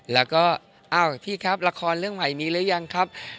แล้วก็อ้าวพี่ครับละครเรื่องใหม่มีหรือยังครับ